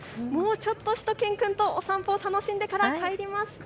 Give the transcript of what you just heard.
もうちょっとしゅと犬くんとお散歩を楽しんでから帰ります。